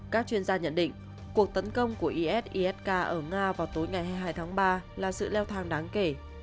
các chuyên gia nhận định cuộc tấn công của isisk ở nga vào tối ngày hai mươi hai tháng ba là sự leo thang đáng kể